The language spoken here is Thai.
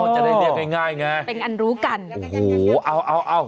อ๋อจะได้เรียกง่ายไงเป็นอันรู้กันโอ้โหเอา